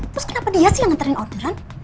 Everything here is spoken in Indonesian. terus kenapa dia sih yang nganterin orderan